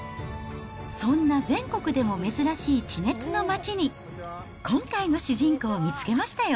そんな全国でも珍しい地熱の町に、今回の主人公を見つけましたよ。